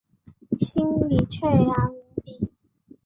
心里雀跃无比